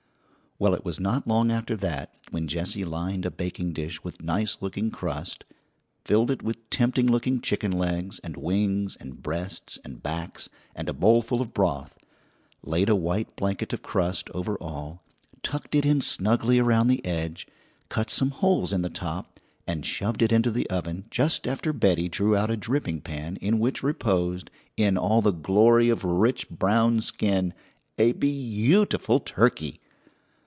Well, it was not long after that when Jessie lined a baking dish with nice looking crust, filled it with tempting looking chicken legs and wings and breasts and backs and a bowlful of broth, laid a white blanket of crust over all, tucked it in snugly around the edge, cut some holes in the top, and shoved it into the oven just after Betty drew out a dripping pan in which reposed, in all the glory of rich brown skin, a beautiful turkey.